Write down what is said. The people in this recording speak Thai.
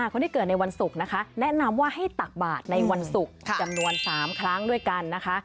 คนที่เกิดในวันศุกร์นะคะแนะนำว่าให้ตักบาทในวันศุกร์จำนวน๓ครั้งด้วยกันนะคะ